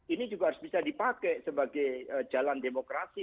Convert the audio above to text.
ini juga harus bisa dipakai sebagai jalan demokrasi